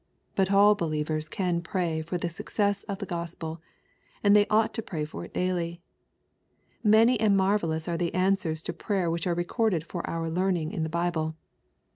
But all believers can pray for the success of the Gospel, — and they ought to pray for it daily. Many and marvellous are the answers to prayer which are recorded for our learning in the Bible.